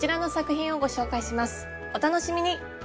お楽しみに！